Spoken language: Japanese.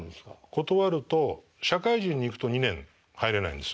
断ると社会人に行くと２年入れないんです。